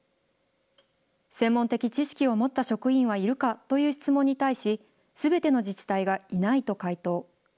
専門的知識を持った職員はいるかという質問に対し、すべての自治体がいないと回答。